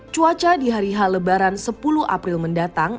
cuaca di hari h lebaran sepuluh april mendatang